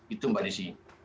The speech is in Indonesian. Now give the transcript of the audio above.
itu mbak desi